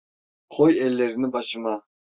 Koy ellerini başıma…